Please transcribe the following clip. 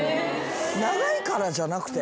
長いからじゃなくて？